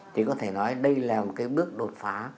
thì có thể nói đây là một cái bước đột phá